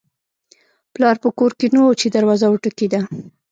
پلار په کور کې نه و چې دروازه وټکېده